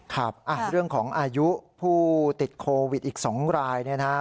ครับเรื่องของอายุผู้ติดโควิดอีก๒รายเนี่ยนะ